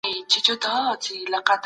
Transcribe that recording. علم د توحيد د معرفت لاره ده.